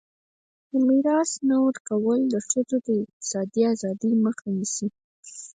د میراث نه ورکول د ښځو د اقتصادي ازادۍ مخه نیسي.